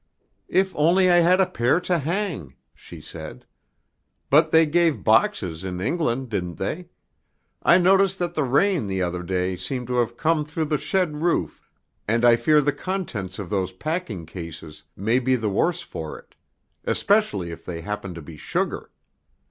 "If only I had a pair to hang!" she said. "But they gave boxes in England, didn't they? I noticed that the rain the other day seemed to have come through the shed roof, and I fear the contents of those packing cases may be the worse for it, especially if they happen to be sugar.